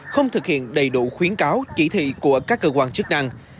không thực hiện đầy đủ khuyến cáo chỉ thị của các cơ quan chức năng